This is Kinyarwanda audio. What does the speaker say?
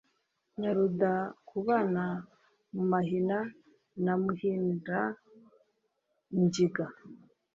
Na Rudakubanamumahina na Muhindangiga